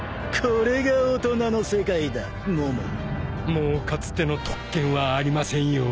もうかつての特権はありませんよ。